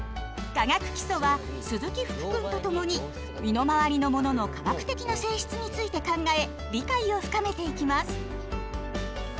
「化学基礎」は鈴木福くんと共に身の回りのものの化学的な性質について考え理解を深めていきます。